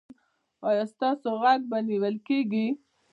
ایا ستاسو غږ به نیول کیږي؟